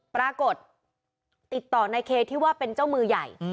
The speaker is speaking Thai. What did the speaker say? ปรากฏติดต่อในเคที่ว่าเป็นเจ้ามือใหญ่